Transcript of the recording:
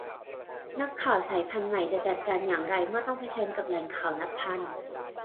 นักข่าวสายพันธุ์ใหม่จะจัดการอย่างไรเมื่อต้องเผชิญกับแหล่งข่าวนับพัน